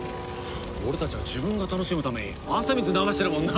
俺たちは自分が楽しむために汗水流してるもんな。